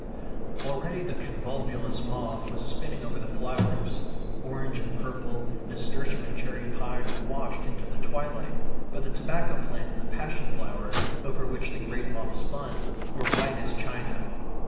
Already the convolvulus moth was spinning over the flowers. Orange and purple, nasturtium and cherry pie, were washed into the twilight, but the tobacco plant and the passion flower, over which the great moth spun, were white as china.